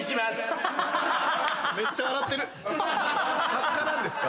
作家なんですか？